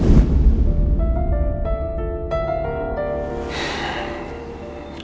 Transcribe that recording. tujuh belas hari interrogasi menurunkan jiwa memiliki hak hak yang dana untuk melawan transaksi